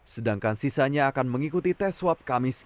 sedangkan sisanya akan mengikuti tes swab kamis